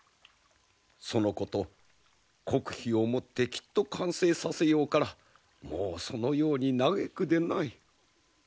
そのこと国費をもってきっと完成させようからもうそのように嘆くでない。